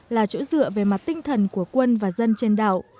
là chỗ dựa về mặt tinh thần của quân và dân trên đảo